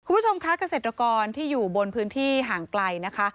คุณผู้ชมคะเกษตรกรที่อยู่บนพื้นที่ห่างไกลนะคะ